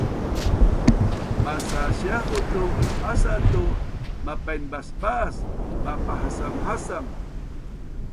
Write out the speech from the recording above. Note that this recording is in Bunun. masasiahu tu asa tu mapainbaasbaas mapahasamhasam